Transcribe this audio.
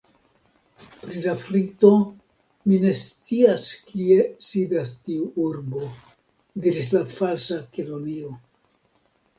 "Pri Lafrito, mi ne scias kie sidas tiu urbo," diris la Falsa Kelonio. "